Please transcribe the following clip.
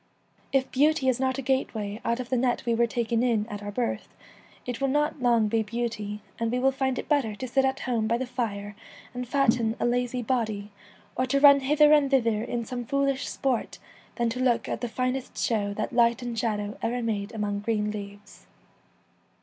If beauty is not a gateway out of the net we were taken in at our birth, it will not long be beauty, and we will find it better to sit at home by the fire and fatten a lazy 107 The body or to run hither and thither in some Celtic ; Twilight, foolish sport than to look at the finest show that light and shadow ever made among green leaves.